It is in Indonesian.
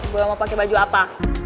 gue mau pakai baju apa